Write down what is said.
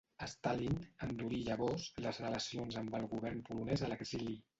Stalin endurí llavors les relacions amb el Govern polonès a l'exili.